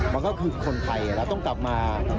มันก็คือคนไทยเราต้องกลับมา